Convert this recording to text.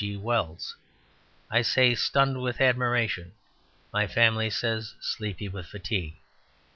G. Wells, I say stunned with admiration, my family says sleepy with fatigue.